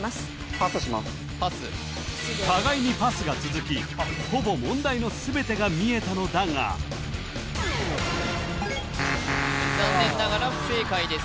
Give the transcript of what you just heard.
パスしますパス互いにパスが続きほぼ問題の全てが見えたのだが残念ながら不正解です